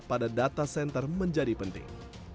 pada data center menjadi penting